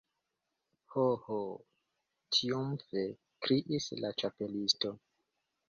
"Ho, ho!" triumfe kriis la Ĉapelisto.